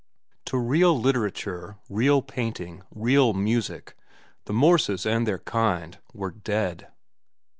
To real literature, real painting, real music, the Morses and their kind, were dead.